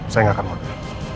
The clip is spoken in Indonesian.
saya tidak akan mundur